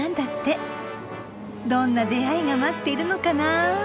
どんな出会いが待っているのかなぁ？